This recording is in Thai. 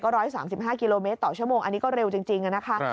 ๑๓๕กิโลเมตรต่อชั่วโมงอันนี้ก็เร็วจริงนะคะ